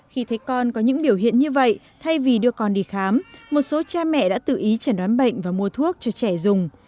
khi thấy con có những biểu hiện như vậy thay vì đưa con đi khám một số cha mẹ đã tự ý chẩn đoán bệnh và mua thuốc cho trẻ dùng